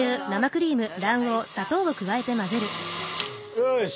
よし！